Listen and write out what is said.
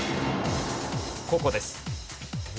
ここです。